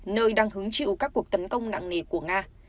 nơi đang hứng chịu các cuộc tấn công nặng nề của nga